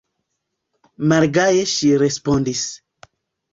Malgaje ŝi respondis: